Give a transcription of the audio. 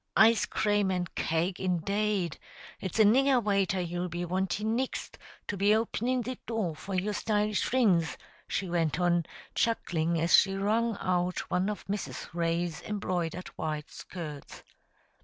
Ice crame an' cake, indade! It's a nigger waiter you'll be wantin' nixt, to be openin' the door for your stylish frinds," she went on, chuckling, as she wrung out one of Mrs. Ray's embroidered white skirts.